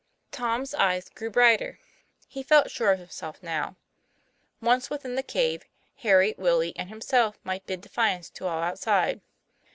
Tom's eyes grew brighter. He felt sure of him self now. Once within the cave, Harry, Willie, and himself might bid defiance to all outside.